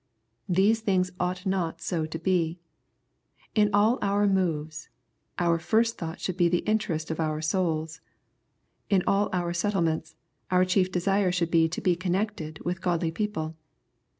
These things ought not so to be. In all our moves, our first thought should be the interest of our souls. In all our settlements, our chief desire should be to be connected with godly people.